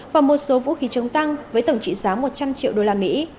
và một số vũ khí chống tăng với tổng trị giá một trăm linh triệu đô la mỹ